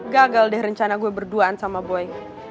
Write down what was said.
gagal deh rencana gue berduaan sama boy